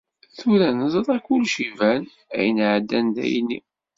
Tura neẓra kullec iban, ayen iɛeddan d ayenni.